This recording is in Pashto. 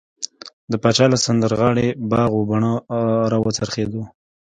د پاچا له سمندرغاړې باغ و بڼه راوڅرخېدو.